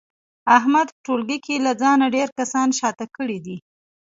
احمد په ټولګي له ځانه ډېر کسان شاته کړي دي.